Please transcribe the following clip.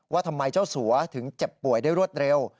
ว่าทำไมเจ้าสัวถึงเจ็บป่วยได้รวดเร็ว